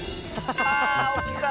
ああおっきかった。